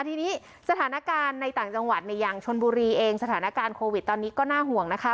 ทีนี้สถานการณ์ในต่างจังหวัดเนี่ยอย่างชนบุรีเองสถานการณ์โควิดตอนนี้ก็น่าห่วงนะคะ